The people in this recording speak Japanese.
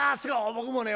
僕もね